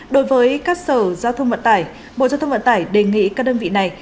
đối với các sở giao thông vận tải bộ giao thông vận tải đề nghị các đơn vị này